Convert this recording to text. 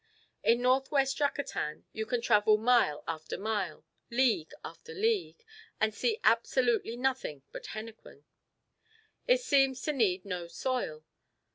In North West Yucatan you can travel mile after mile, league after league, and see absolutely nothing but henequen. It seems to need no soil.